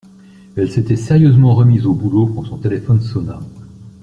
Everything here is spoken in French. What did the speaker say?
Elle s’était sérieusement remise au boulot quand son téléphone sonna.